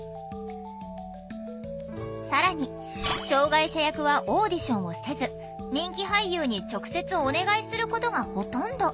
更に障害者役はオーディションをせず人気俳優に直接お願いすることがほとんど。